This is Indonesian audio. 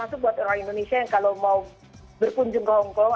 itu buat orang indonesia yang kalau mau berkunjung ke hongkong